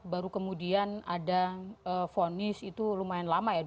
baru kemudian ada fonis itu lumayan lama ya